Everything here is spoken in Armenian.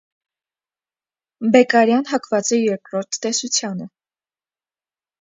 Բեկարիան հակված է երկրորդ տեսությանը։